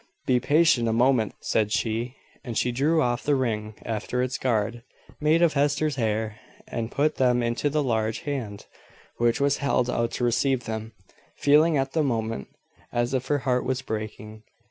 "Be patient a moment," said she; and she drew off the ring after its guard, made of Hester's hair, and put them into the large hand which was held out to receive them; feeling, at the moment, as if her heart was breaking.